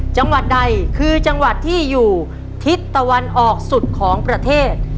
จังหวัดใดคือจังหวัดที่อยู่ทิศตะวันออกสุดของประเทศ